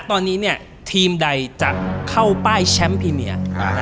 ตอนนี้เนี่ยทีมใดจะเข้าป้ายแชมป์พรีเมีย